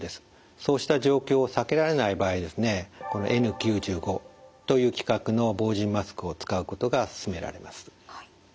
そうした状況を避けられない場合ですねＮ９５という規格の防塵マスクを使うことがすすめられます。